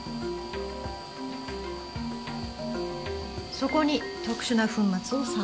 そこに特殊な粉末を散布する。